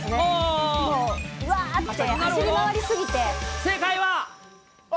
うわーって、正解は。